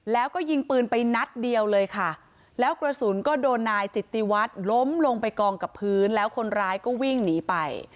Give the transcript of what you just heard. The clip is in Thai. แล้วก็ยิงปืนไปนัดเดียวเลยค่ะแล้วกระสุนก็โดนนายจิตติวัฒน์ล้มลงไปกองกับพื้นแล้วคนร้ายก็วิ่งหนีไป